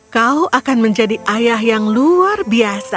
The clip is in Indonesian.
kau akan menjadi ayah yang luar biasa